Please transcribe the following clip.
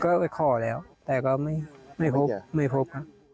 ก็ไปข่อแล้วแต่ก็ไม่พบ